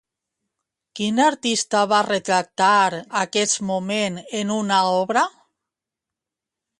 Quin artista va retractar aquest moment en una obra?